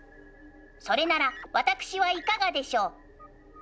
それなら私はいかがでしょう？